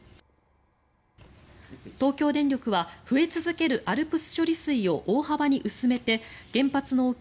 東京電力は増え続けるアルプス処理水を大幅に薄めて原発の沖